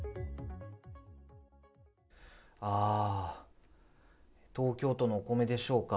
ああ、東京都のお米でしょうか。